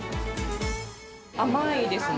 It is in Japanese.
甘いですね。